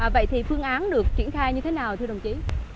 vậy thì phương án được triển khai như thế nào thưa đồng chí